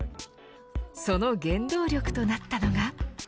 その原動力となったのが。